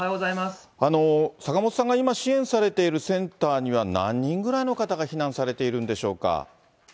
坂本さんが今、支援されているセンターには、何人ぐらいの方が避難されているんでしょうか。